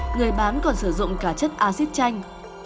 người bán còn sử dụng cả chất acid chanh